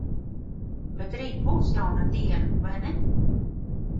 Bet rīt būs jauna diena, vai ne?